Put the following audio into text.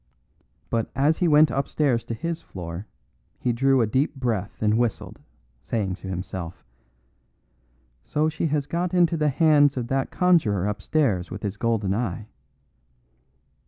But as he went upstairs to his floor he drew a deep breath and whistled, saying to himself: "So she has got into the hands of that conjurer upstairs with his golden eye."